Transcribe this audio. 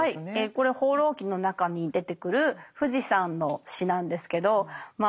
これは「放浪記」の中に出てくる富士山の詩なんですけどまあ